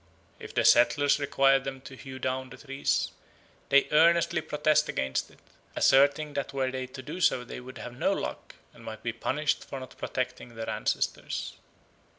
If the settlers require them to hew down the trees, they earnestly protest against it, asserting that were they to do so they would have no luck, and might be punished for not protecting their ancestors.